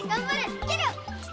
いけるよ！